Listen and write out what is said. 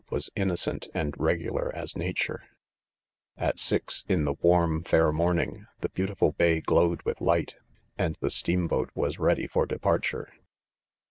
was innocent and reg ular as nature,. a At sis in the warm, fair morning, the beau? *ilM bay glowed with light, and the steam i5 ■'"■•': 202 IDOMEN. boat was ready for, departure.